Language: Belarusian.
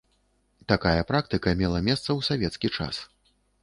Такая практыка мела месца ў савецкі час.